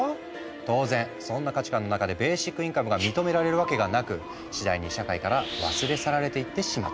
当然そんな価値観の中でベーシックインカムが認められるわけがなく次第に社会から忘れ去られていってしまったんだ。